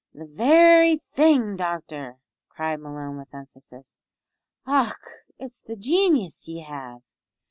"The very thing, doctor," cried Malone, with emphasis, "och! it's the genius ye have!